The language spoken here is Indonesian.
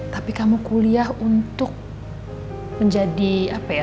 tapi kamu kuliah untuk menjadi apa ya